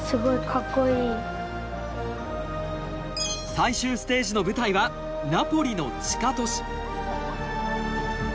最終ステージの舞台はナポリの地下都市。